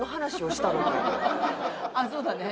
ああそうだね。